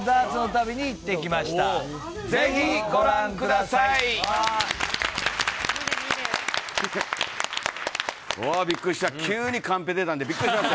びっくりした、急にカンペ出たんで、びっくりしました。